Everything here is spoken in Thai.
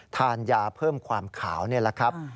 ทานยาเพิ่มความขาวนี่แหละครับ